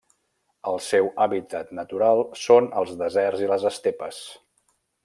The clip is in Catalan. El seu hàbitat natural són els deserts i les estepes.